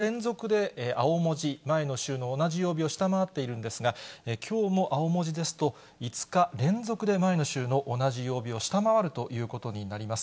一方で、月曜日からきょうまで４日連続で青文字、前の週の同じ曜日を下回っているんですが、きょうも青文字ですと、５日連続で前の週の同じ曜日を下回るということになります。